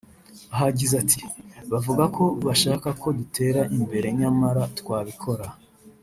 Aha yagize ati “Bavuga ko bashaka ko dutera imbere nyamara twabikora